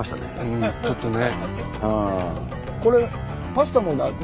うんちょっとね。